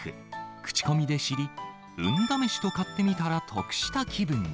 口コミで知り、運試しと買ってみたら、得した気分に。